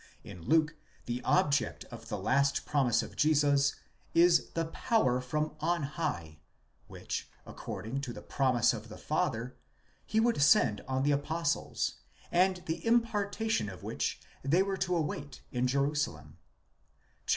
—In Luke, the object of the last promise of Jesus is the power from on high δύναμις ἐξ ὕψους, which according ἡ to the promise of the Father, ἐπαγγελία τοῦ πατρὸς, he would send on the apostles, and the impartation of which they were to await in Jerusalem (xxiv.